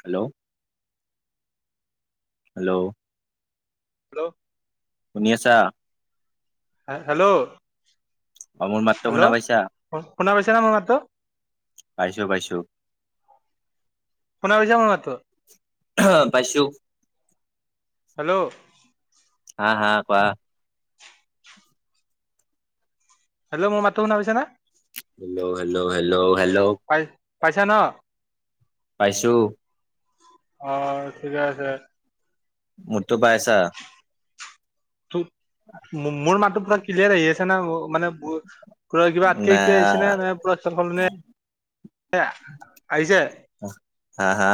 Hello hello hello শুনি আছা hello, অ মোৰ মাতটো শুনা হেল্ল' পাইছা শুনা পাইছা ন মোৰ মাতটো পাইছোঁ, পাইছোঁ শোনাবি যাম মটো [unintelligible] পাইছোঁ হেল্ল' হাঁ হাঁ, কোৱা হেল্ল', মোৰ মাতটো শুনা পাইছা নে হেল্ল', হেল্ল', হেল্ল', হেল্ল' পাই পাইছা ন পাইছো অ ঠিকে আছে মোৰটো পাইছা ত', মোৰ মাতটো পুৰা ক্লিয়াৰ আহি আছে না, মানে ুৰ কিবা ন আটকে এটোৱ আহিছে নে নে পুৰস্কাৰ সলনে এ আহিছে হা হা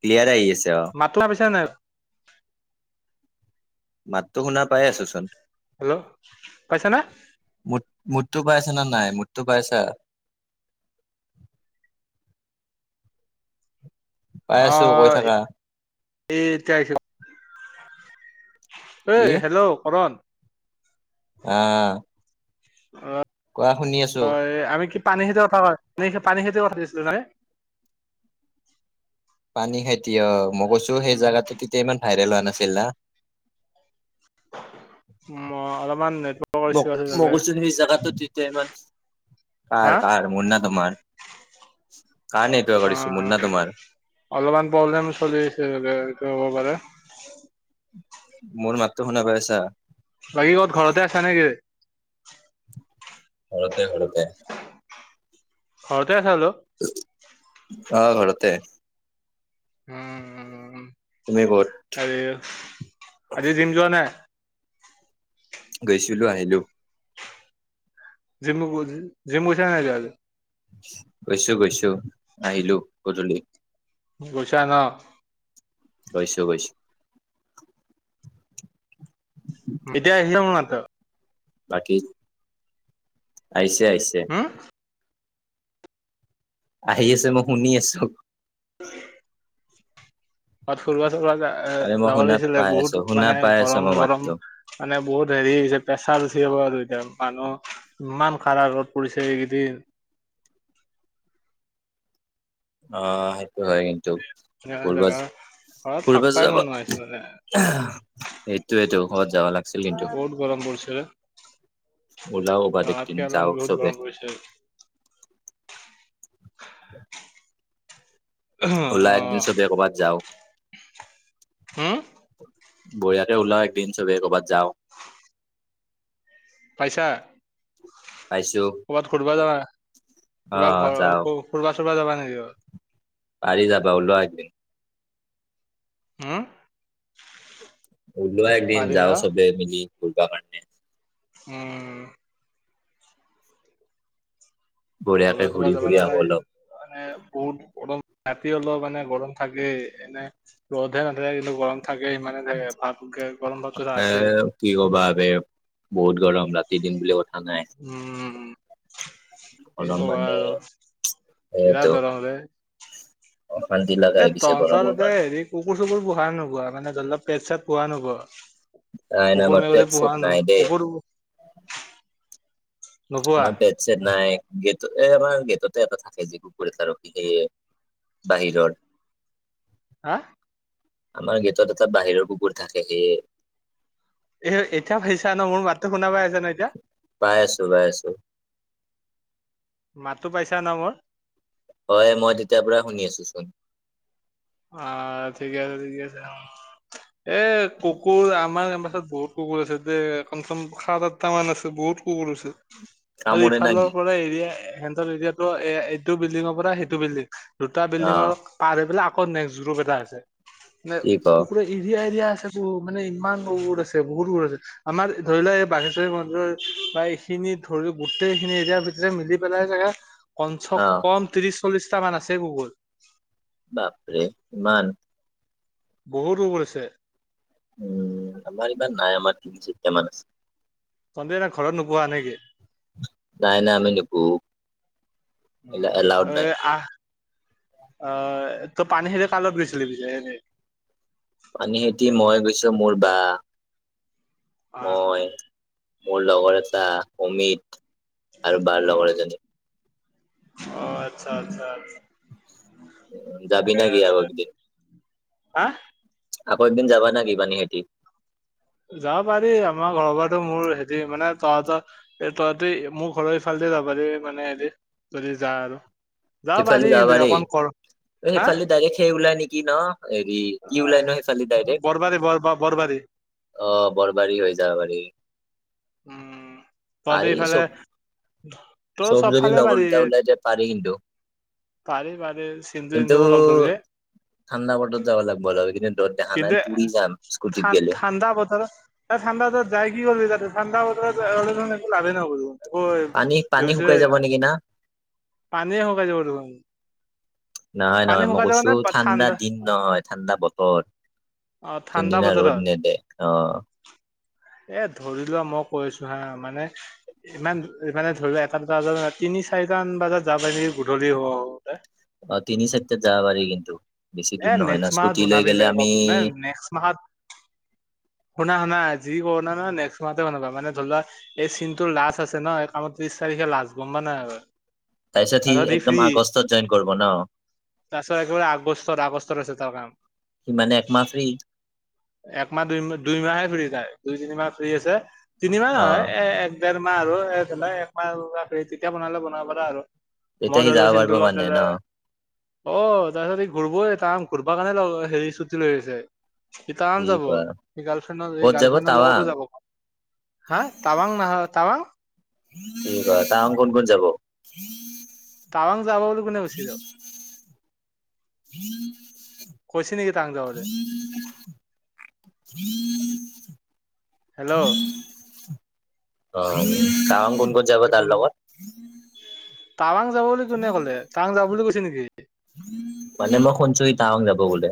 ক্লিয়াৰ আহি আছে অ মাতলা পিছা নে মাততো শুনা পাই আছোচোন হেল্ল' পাইছনে মুড মোডটো পাইছা না নাই মোটটো পাইছা [unintelligible] পাই অ আছো কৈ থাকা এই তোই চ এ কি হেল্ল' কৰণ আহ অ'। কোৱা শুনি আছো আমি কি পানী খেতি কথা কয়, পানী খেতি কথা দিছিলোঁ নাই পানী খাইতি অ মই কৈছো সেই জাগাো তেতিয়া ইমান ভাইৰেল হোৱা নাছিল না উম অলপমান নেটৱৰ্কৰ ইছ্যু মোক, আছে ম চাগে কৈছোঁ সেই জাগাত তেতিয়া ইমান, হা কাৰ কাৰ মোৰ নে তোমাৰ [unintelligible] অ ইছ্যু মোৰ না তোমাৰ অলপমান প্ৰব্লেম চলি আছে এইটো হ'ব পাৰে। মোৰ মাততো শুনা পাই আছা বাকী ক'ত ঘৰতে আছা নেকি ঘৰতে ঘৰতে ঘৰতে আছা তো অ ঘৰতে। উ তুমি ক'ত? আ আজি জিম যোৱা নাই গৈছিলোঁ আহিলো। জিম জিম গৈছা নে নাই আজি। গৈছোঁ গৈছোঁ আহিলো গধূলি। গছা ন গৈছোঁ গৈছোঁ। [inaudible] এতিয়া আহিলো এই মাত্র। বাকী আহিছে আহিছে। হুম, আহি আছে মই শুনি আছোঁ। ক'বাত ফুর্বা সুৰ্বা এ আৰে মই যাব শুনা লাগিছিলে পাই আছো, বহুত শুনা মানে পাই আছো গৰম মই গৰম মাতটো। মানে বহুত। হেৰি হৈছে প্ৰেছাৰ বেছি হব আৰু এতিয়া মানুহ ইমান কাৰা ৰ'দ পৰিছে এইকেইদিন। অহ সেইটো হয় কিন্তু ফূৰ্বা। জাগা ঘৰত ফুৰিব থাকবাই যা মন বা নোহোৱা হৈছে মানে সেইটোয়েতটো বহুত গৰম পৰিছে ৰে। উলোৱা একদিন যাওঁ চবে। গৰম পৰিছে। [unintelligible] বলা একদিন অ'। চ বে কৰ'বাত যাও হুম বঢ়িয়াকে উলাও একদিন চবেই কৰ'বাত যাওঁ। পাইছা। পাইছো ক'ৰবাত ঘূৰিবা যাবা কিবা অ' ঘৰ যাওঁ। ফব চুবা যাবা নেকি অ। পাৰি যাবা ওলোৱা একদিন হম উলোৱা একদিন পাৰি ন যাওঁ চবে মিলি দুৰ্গা মন্দিৰ। উম। বঢ়িয়াকে ফুৰিব ঘূৰি যাব ফুৰি লগা আহো অলপ মানে বহুত গৰম। ৰাতি অলপ মানে গৰম থাকেই এনে ৰ'দহে নাথাকে গৰম। থাকে মানে দে ভাতকে গৰম পাত চত এ আছে। কি কবা বে বহুত গৰম ৰাতি দিন বুলি কথ। উম। কি গৰম কবা মানে আৰু এইটো বিৰাট দৰো হ'লে। অশান্তি লগা এ হৈ গৈছে তহত গৰমৰ ত কাৰণে হেৰি কুকুৰ চুকুৰ পোহা নে নোপোহা মানে ধৰি লপ পেট চেট পোহা নে নোপোহা নাই নাই আমাৰ কুকুৰ পেট মেকুৰি চেট পোহা নাই নে [unintelligible] দেই কুকুৰ। নোপোহা আমাৰ পেট ছেট নাই গত এই আমাৰ গেটতে এটা থাকে যি গুকুৰ তাৰক সেইয়ে বাহিৰত হা। আমাৰ গেটত এটা বাহিৰৰ কুকুৰ থাকেহি। এ এতিয়া পাইছা নহ মোৰ মাতটো শুনা পাই আছা নহ এতিয়া। পাই আছোঁ পাই আছোঁ। মাতটো পাইছা নহ মোৰ। উম। অ ঠিকে আছে ঠিকে আছে এ কুকুৰ আমাৰ। ছাত বহুত কুকুৰ আছে দে কমচে কম সাত আঠটা মান আছে বহুত কুকুৰ আছে। আৰু কামোৰে না ইফালৰ কি পৰা এৰিয়া সিহঁতৰ এৰিয়াতো এ এইটো বিল্ডিঙৰ পৰা সেইটো বিল্ডিং। দুটা অ বিল্ডিঙৰ পাৰ হৈ পেলাই আকৌ নেক্সোপ এটা আছে নে কি ক কুকুৰে এৰিয়া এৰিয়া। থাকো মানে ইমান দূৰ আছে বহুত দূৰত আছে আমাৰ ধৰি লোৱা এই বাঘেশ্বৰী মন্দিৰৰ বা এইখি ধৰি গোটেই খিনি এতিয়া ভিতৰে মিলি পেলাই চাগে পঞ্চ অ কম ত্ৰিশ চল্লিশটা মান আছে গুগল। বাপৰে ইমান। বহুত দূৰ কৰিছে। উম আমাৰ এইবাৰ নাই। আমাৰ তিনি চাইটামান তহঁতি এনে ঘৰত নোপোহা নেকি? আছে। নাই নামে [unintelligible] উম এ আহ। আ তই পানীখাইতি কাৰ লগত গৈছিলি পিছে? পানী খাইতি মই গৈছো, মোৰ বা আহ মই মোৰ লগৰ এটা, অমিত। আৰু বাৰ উম, লগৰ এজনী। অ', আচ্ছা আচ্ছা। ঠিকে জাবিনাগি আও আছে। গিদিন। হা আকৌ একদিন যাবা নাকি পানিখাইটি? যাব পাৰি আমাৰ ঘৰৰ পৰাটো মোৰ হেতি মানে তহঁত, তহঁতে মোৰ ঘৰৰ ইফাল যাব পাৰি মানে হেৰি যদি যা আৰু যাব পাৰি কিন্তু অকণ কৰ হা সেইফালে ডাইৰেক্ট সেই ওলাই নেকি ন। হেৰি কি ওলাই ন হেফালে বৰবাৰী বৰ বৰবাৰী। ডাইৰেক্ট। আহ বৰবাৰী হৈ যাব পাৰি। উম, পোৱা পাৰি ইফালে। চব তোৰ চব যদি চফালে পাৰি। লগৰকেইটা ওলাই যায় পাৰি কিন্তু। পাৰি পাৰি চিন্ধু কিন্তু চিন্দু ক লগ ধৰিবি। ঠাণ্ডা বটত যাব লাগব ৰহ এই কেইদিন ৰদ দেখা কিন্তু নাই পুৰি যাম ঠান স্কুটিত গেলে। ঠাণ্ডা বতৰত ঠাণ্ডা বতৰত যাই কি কৰিবি তাতে ঠাণ্ডা বতৰত একো লাভেই নহব পানী দেখোন। পানী শুকাই যাব [unintelligible] নেকি না? পানীয়ে হোকাই যাব দেখোন। নাই পানী নহয় মই শুকাই যাব কৈছো নে ঠাণ্ডা দিন নহয় ঠাণ্ডা বতৰ। অ' ঠাণ্ডা বতৰত। এ অ'। এ ধৰি লোৱা মই কৈছো হা মানে ইমান মানে ধৰি লোৱা এটা দুটা [unintelligible] তিনি চাৰি কেইটান বাজাত যা পাইবি গধূলি হওঁতে। তিনি চাইটাত যাব পাৰি কিন্তু। বেছি এ দূৰ নহয় না নেক্স মাহত স্কুটি লৈ বনাবি গেলে বে আমি গক নে-নেক্স মাহত শুনা শুনা যি কৰোনা নেক্স মাহতে বানাবা মানে ধৰি লোৱা এই চিনটো লাাজ আছে ন এই কামত ত্ৰিশ তাৰিখ। এয়া লাজ গম্বা নাই আৰু। তাৰপিছত সি তাছত হি একদম ফি। আগষ্টত জইন কৰিব ন তাছত একেবাৰে আগছ আগষ্টত আছে তাৰ কাম। সি মানে একমাহ ফ্ৰী একমাহ, দুই-দুইমাহে ফ্ৰী যায়। দুই তিনিমাহ ফ্ৰী আছে তিনিমাহ অ নহয় এ ডেৰ মাহ আৰু একমাহ [unintelligible] তেতিয়া বনালে বনাব পাৰা আৰু। তেতিয়া সি মল যাব পাৰিব চিন্ত ল মানে ন [unintelligible] অ' তাছত এই ঘূৰব এ তান ঘূৰবা কাৰণে ল-হেৰি ছুটি লৈ আহিছে। ইটান ঠিক যাব। হয় সি গাৰ্লফ্ৰেণ্ড, এই ক'ত গাৰ্ল যাব ফ্ৰেণ্ডৰ টাৱাং লগতো যাব। হা তাৱাং নহয় তাৱাং? কি কয় তাহুন কোন কোন যাব? টাৱাং যাব বুলি কোনে কৈছি তোক? কৈছে নেকি টাৱাং যাবলৈ? [inaudible] হেল্ল' অ' টাৱাং কোন কোন যাব তাৰ লগত? টাৱাং যাব বুলি কোনে ক'লে, টাৱাং যাম বুলি কৈছে নেকি? মানে মই শুনছোঁ ই, টাৱাং যাব বোলে।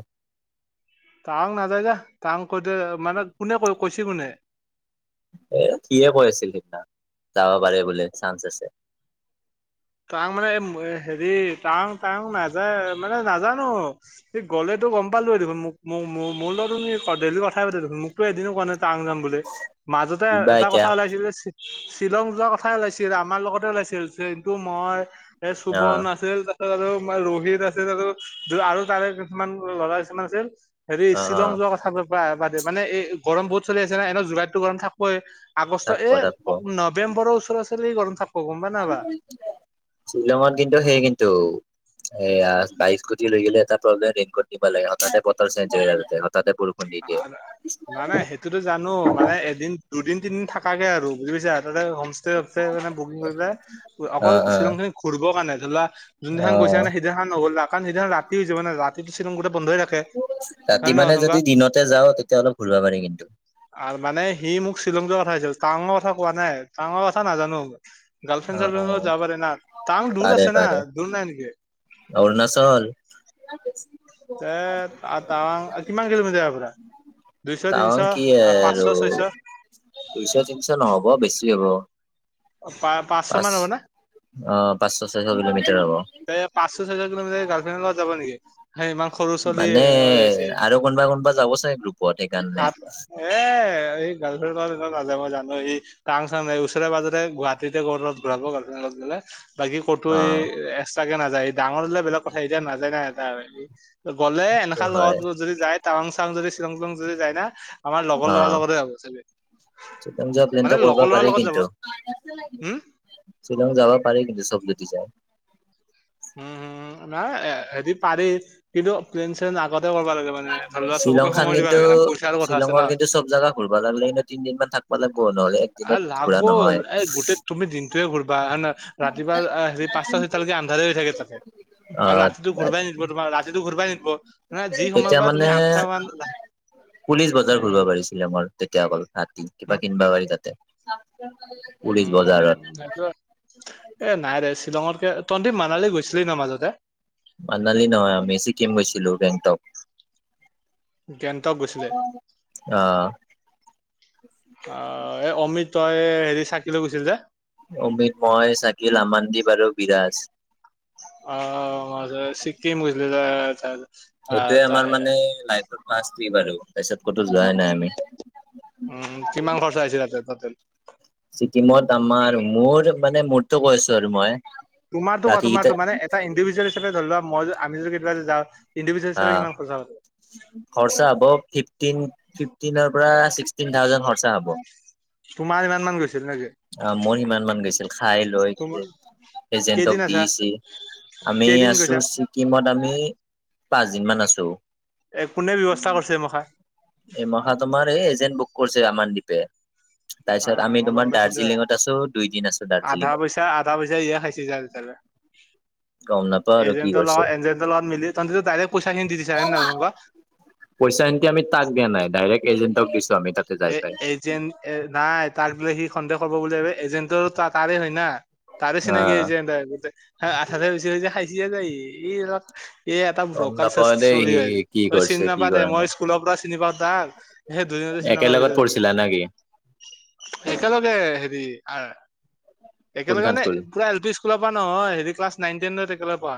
টাৱাং নাজাই যাহ। টাৱাং কৈদে মানে কোনে কৈ-কৈছি কোনে? এ, সিয়ে কৈ আছিল সেইদনা যাব পাৰে বুলে চান্স আছে। টাৱাং মানে এম, হেৰি টাৱাং-টাৱাং নাযায় মানে নাজানো সি গ'লে তো গম পালোয়ে দেখোন মোক মো-মো-মোৰ লগত দুন সি সদ ডেইলী কথায়ে পাতে দেখোন মোকতো এদিন কোৱা না টাৱাং যাম বুলি, মাজতে কিবা এটা এতিয়া কথা ওলাইছিলে চি শ্বিলং যোৱা কথাই ওলাইছিল, আমাৰ লগতে ওলাইছিল চিন্তো মই এ, অ শুবন আছিল তা [unintelligible] ৰহিত আছিল আৰু আৰু তাৰে কিছুমান ল'ৰা কিছুমান আছিল। হেৰি অ অ শ্বিলং যোৱা কথা বায়ে বাদে মানে এই গৰম বহুত চলি আছেনা এনে জুলাইতটো গৰম থাকপয়ে। আগষ্ট থাকব এ, থাকব [unintelligible] নৱেম্বৰৰ ওচৰা উচলি গৰম থাকব' গম পা নাপা। শ্বিলংট কিন্তু সেই কিন্তু এয়া বাই স্কুতিলৈ গলে এটা প্ৰব্লেম ৰেনকট নিবা লাগে সদায় এনে বতৰ চেঞ্জ হৈ আৰু তেহৰ নাই- নাই সেইটোতো জানো। মানে এদিন, দুদিন, তিনদিন থাকাকে আৰু বুজি পাইছা। তাতে হমষ্টে আছে বুকিং কৰিবা। অকল অ', অ', শ্বিলং খিনি ঘূৰিব কাৰণে ধলোৱা যোনদিনাখন কৈছা অ', নে সেইদিনাখন নগ'লা কাৰণ সেইদিনা ৰাতি হৈ যাব ন ৰাতি পিছ [unintelligible] গোটেই বন্ধই থাকে, ৰাতি হয়না মানে কচোন যদি ক'? দিনতে যাওঁ তেতিয়া অলপ ঘূৰিব পাৰি কিন্তু। আৰ মানে সি মোক চিল ঝংযুৱা কথা আছিল টাৱাংৰ কথা কোৱা নাই। টাৱাংৰ কথা নাজানো। গাৰ্লফ্ৰেণ্ড অ', চাৰ্লফ্ৰেণ্ড অ', যাবা পাৰেনা টাৱাং দূৰ পাৰে আছেনা পাৰে দূৰ নাই নেকি? অৰুণাচল। তে আকাৱাং কিমান কিলোমিটাৰ ইয়াৰ পৰা? দুইশ টাৱাং তিনশ কি আ, আৰু পাঁচশ ছয়শ। দুইশ তিনশ নহব বেছি হব। পা পাঁচশ পাঁচ মান হ'ব না অ', পাঁচশ ছয়শ কিলোমি এ, পাচশ ছয়শ কিলোমিটাৰ ই, গাৰ্লফ্ৰেণ্ডৰ যাব নেকি? হে ইমান সৰু চলি এ, মানে হৈ আছে। আৰু কোনোবা কোনোবা যাব চাগে গ্ৰুপত সেইকাৰণে হাত এ এই [unintelligible] এনে নাযাই মই জানো সি কাং চাং ওচৰে পাজৰে গুৱাহাটীতে কৰবাত ঘূৰাব গাৰ্লফ্ৰেণ্ডৰ লগত গলে। বাকী ক'তো ই, অ'। এক্সট্ৰাকে নাযায় ডাঙৰ হলে বেলেগ কথা এতিয়া নাযায় নাই এটা আৰহী গ'লে সেইটো এনেশাল হয় যদি যায় টাৱাং চাৱাং যদি শ্বিলং টিলং যদি যায় না আমাৰ লগৰ ল'ৰাৰ লগতে যাব চাগে। চিতং যোৱা মানে প্লেনটো কৰবা লগৰ ল'ৰাৰ পাৰি লগত যাব কিন্তু। হুম শ্বিলং যাবা পাৰি কিন্তু চব যদি যায়। উম, নাই হেদি পাৰি কিন্তু প্লেন শ্লেন আগত তই কৰবা লাগে মানে ধৰি লোৱা শ্বিলং চবকে খান সময় দিবা কিন্তু লাগেনা পইচাৰো কথা আছেনা। শ্বিলঙৰ কিন্তু চব জাগা ঘূৰবা লাগলে কিন্তু তিনদিন মান থাকবা লাগব নহ'লে আ, একদিনত ঘূৰা লাগব' নহয় এই গোটেই তুমি দিনটোয়ে ঘূৰিবা হনা ৰাতিপুৱা আ, হেৰি পাচটা ছয়টালৈকি আন এ, থাকে থাকে আৰু আহ ৰাতিটো ঘূৰবাই নিদিব তোমাৰ ৰাতিটো ঘূৰবাই নিদিব মানে যি সময়ৰ তেতিয়া পৰা তুমি মানে আঠটা মান পুলিচ বজাৰ উম ঘূৰবা পাৰি শ্বিলংৰ তে এতিয়া অকল হাতি উম কিবা কিনবা পাৰি তাতে। পুলিচ বজাৰত উম, সেইটোৱে। এ, নাইৰে শ্বিলঙৰ তে তন্তে মানালী গৈছিলি ন' মাজতে? মানালী নহয় আমি ছিকিম গৈছিলোঁ গেংটক। গেনটক গৈছিলে। আহ অ, এই অমিত তই হেৰি চাকিলৈ গৈছিল যে? অমিত মই চাকিল আমানদ্বীপ আৰু বিৰাছ। অ', মাজে চিক্কিম গৈছিলি তই যা যা। সেইটোয়ে আমাৰ মানে লাইফত ফাৰ্ষ্ট ট্ৰিপ আৰু তাৰপিছত কটো উম, কিমান খৰ্চা আহিছি তাতে টটেল? ছিকিমত আমাৰ মোৰ মানে মনটো কৈ আছো আৰু মই। তোমাকটো কোৱা বাকীকেইটা তোমাৰটো মানে এটা ইণ্ডিভিজুৱেল হিচাপে ধৰি লোৱা মই য আমি যদি কেতিয়াবা যাওঁ। তুমি অ চাইছানে কিমান খৰচা হৈছে? খৰচা হব ফ্ৰিফটিন ফ্ৰিফটিনৰ পৰা ছিচটিন থ্ৰাউজেন হয়। চা ব। তোমাৰ কিমান মান গৈছে? অ মোৰ সিমান মান গৈছিল খাই লৈ তুম কেইদিন এজেন্টক আছা দিছি। আমি কেইদিন আছো গৈছা ছিকিমত আমি পাঁচদিন মান আছো। এই কোনে ব্যৱস্থা কৰিছে এই মখা। এই মহাত্মাৰ তোমাৰ এইজেন বুক কৰিছে আমাৰ দ্বীপে। অ তাৰপিছত আমি মই গম তোমাৰ পাইছো দে দাৰ্জিলিংত আছো। দুই দিন আছো আধা দাৰ্জিলিংত। পইচা আধা [unintelligible] এজেণ্ট লগত এজেণ্ট লগত মিলি তহঁতে ডাইৰেক্ট পইচাখিনি দি দিছ হয় নহয় ক পইচাখিনি আমি তাক দিয়া নাই দাইৰেক্ট এজেন্টক দিছো আমি। তাতে যাই এ পাই এই যেনএ নাই তাৰ বোলে সি। সন্দেহ কৰিব বুলি ভাৱি এজেন্টৰ তাৰেই হয় না। তাৰে চিনাকি অ হৈছে এজেণ্ট গিটা আঠ হাজাৰ বিছাৰি বিছাৰি খাইছে যায় ই। এ এটা গম ব্ৰকাৰ চে নাপাও দেই চলি সি হই। কি তই চিনি কৰিছে কি নাপাৱ দে কৰা মই নাই স্কুলৰ পৰা চিনি পাওঁ তাক হেই দুদিন। তই একেলগত কেতিয়া যাবি। পঢ়িছিলা না কি একেলগে। ডি আৰ একেলগে কোনখন মানে স্কুল পুৰা এল পি স্কুলৰ পৰা নহয় হেৰি ক্লাছ নাইন টেইনত একেলগে প কোৱা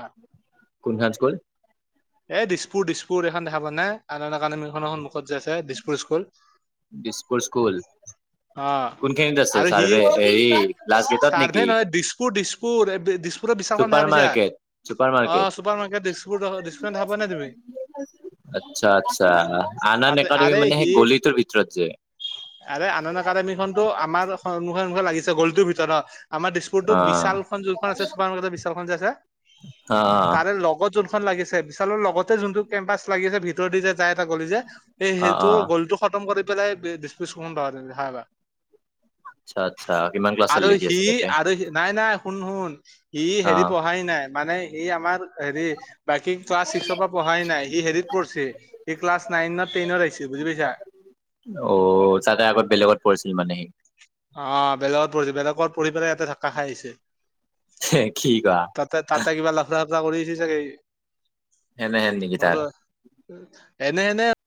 কোনখন স্কুল এ দিছো। পুৰ দিছপুৰ এখন দেখা পোৱা নাই আনাকানেন সন্মুখত ক'ত জাইছা দিছপুৰ স্কুল। অ কোন খিনিত আছে আৰু সি চাৰবেৰ হেৰি। লাষ্ট গেটত চাৰ্ভে নেকি নহয় দিছপুৰ দিছপুৰ দিছপুৰত বিশালখন চুপাৰ দেখা পাইছা মাৰ্কেট চুপাৰ অ মাৰ্কেট চুপাৰ মাৰ্কেট। দিছপুৰ দিছপুৰত দেখা পোৱা নাই তুমি? আচ্ছা আচ্ছা আনা তাতে নেক আৰে সি আৰে আনন্দ একাডেমী খনটো আমাৰ সন্মুখত। কেনে কোৱা লাগিছে গলিটোৰ ভিতৰত অ আমাৰ দিছপুৰতো অ বিশালখন যোনখন আছে চুপাৰ মাৰ্কেট বিশালখন যে আছে অ অ তাৰে লগত যনতো। খন লাগিছে বিশালৰ লগতে যোনটো কেম্পাছ লাগিছে ভিতৰ দি যে যায় এটা গলি যে। এই অ সেইটো অ গ'লিটো খতম কৰি পেলাই বি বিচখন দেখা পাবা আচ্ছা আচ্চা। আৰু সি আৰু নাই নাই শুন শুন সি অ হেৰি পঢ়াই নাই মানে ই আমাৰ। হেৰি বাকী ক্লাছ ছিক্সৰ পৰা পঢ়াই নাই সি হেৰিত পঢ়িছে সি ক্লাছ নাইনত ট্ৰেইনত আইছে। বুজি পাইছা। অ তাতে আগত বেলেগত পঢ়িছিল মানে সি। অ বেলেগত পঢ়িছে বেলেগত পঢ়ি পেলাই ইয়াতে ঢ্ৰাকা খাই আহিছে। সি কি কোৱা তাতে তাতে কিবা লাফৰা চাফৰা কৰিছে চাগে। এনেহেন নিকি তাৰ এনেই